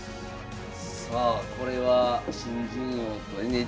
さあこれは新人王とＮＨＫ杯ですね。